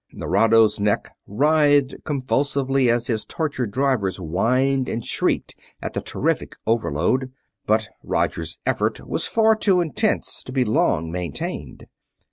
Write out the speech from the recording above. Nerado's neck writhed convulsively as his tortured drivers whined and shrieked at the terrific overload; but Roger's effort was far too intense to be long maintained.